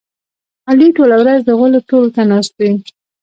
علي ټوله ورځ د غولو تول ته ناست وي.